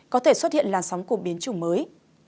có thể xuất hiện làn sóng cuộc biến chủng mới